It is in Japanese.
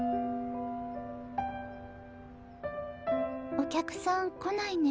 お客さん来ないね。